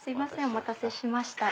お待たせしました。